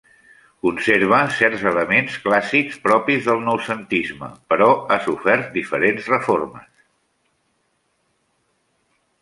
Conserva certs elements clàssics propis del noucentisme, però ha sofert diferents reformes.